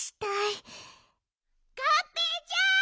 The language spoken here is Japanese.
がんぺーちゃん！